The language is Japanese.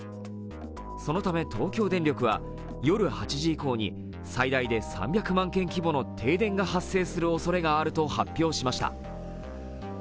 そのため、東京電力は夜８時以降に最大で３００万件規模の停電が発生するおそれがあると発表しました。